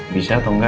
bisa atau enggak